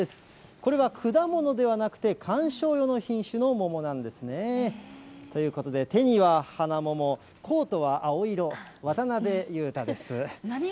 これは果物ではなくて、観賞用の品種の桃なんですね。ということで、手には花桃、コートは青色、渡辺裕太です。